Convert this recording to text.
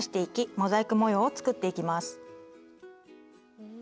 モザイク模様を作っていきます。